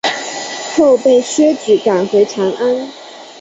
后被薛举赶回长安。